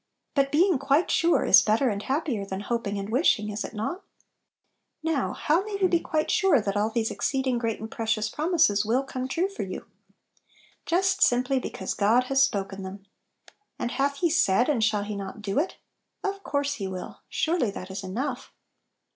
But being quite sure is better and happier than hoping and wishing, is it not? Now, how may you be quite sure that aD these "exceeding great and precious promises" will come true for you? Just simply because God has spoken them! and "hath He said, and shall He not do it?" Of course he will! Surely that is enough